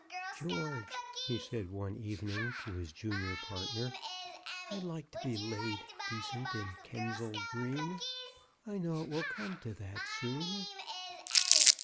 "George," he said one evening to his junior partner, "I'd like to be laid decent in Kensal Green! I know it will come to that soon."